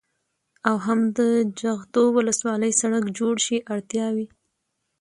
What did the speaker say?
او هم د جغتو ولسوالۍ سړك جوړ شي. اړتياوې: